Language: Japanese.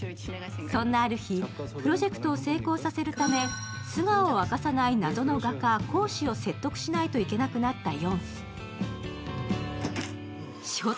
そんなある日、プロジェクトを成功させるため、素顔を明かさない謎の画家、コオ氏を説得しないといけなくなったヨンス。